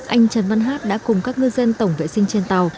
anh trần văn hát đã cùng các ngư dân tổng vệ sinh trên tàu